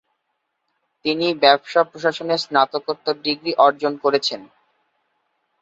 তিনি ব্যবসা প্রশাসনে স্নাতকোত্তর ডিগ্রি অর্জন করেছেন।